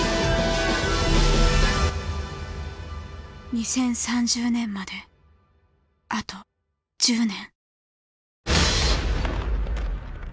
２０３０年まであと１０年。